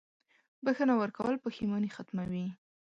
• بښنه ورکول پښېماني ختموي.